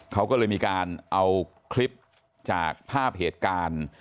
เขาก็เลยมีการเอาคลิปจากภาพเหตุการณ์